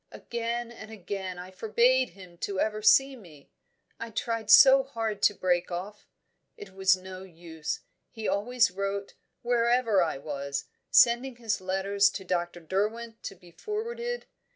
Again and again I forbade him ever to see me; I tried so hard to break off! It was no use. He always wrote, wherever I was, sending his letters to Dr. Derwent to be forwarded.